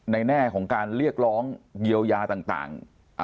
แน่ของการเรียกร้องเยียวยาต่าง